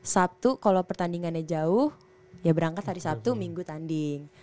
sabtu kalau pertandingannya jauh ya berangkat hari sabtu minggu tanding